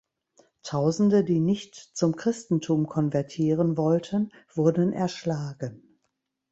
Tausende die nicht zum Christentum konvertieren wollten, wurden erschlagen.